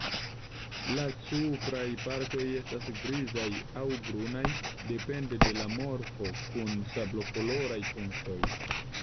La supraj partoj estas grizaj aŭ brunaj, depende de la morfo, kun sablokoloraj punktoj.